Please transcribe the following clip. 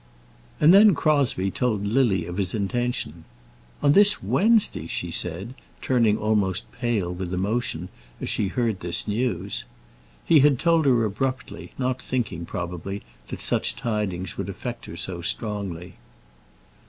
And then Crosbie told Lily of his intention. "On Wednesday!" she said, turning almost pale with emotion as she heard this news. He had told her abruptly, not thinking, probably, that such tidings would affect her so strongly.